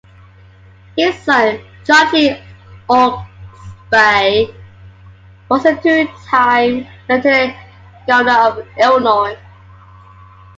His son, John G. Oglesby, was a two time Lieutenant Governor of Illinois.